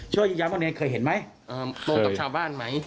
ช่วยย้ำมาเน้นเคยเห็นไหม